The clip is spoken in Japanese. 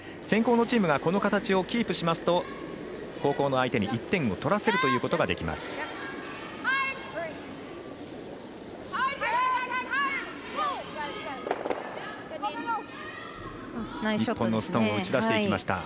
先攻のチームがこの形をキープしますと後攻の相手に１点を取らせることができます。